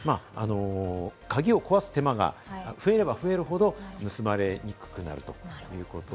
鍵を壊す手間が増えれば増えるほど、盗まれにくくなるということ